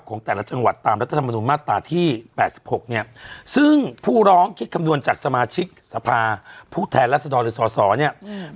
ของแต่ละจังหวัดตามรัฐธรรมนุนมาตรที่แปดสิบหกเนี้ยซึ่งพูดคดดวนจากสมาชิกสภาพผู้แทนรัฐธรรมหรือศศเนี้ยอืม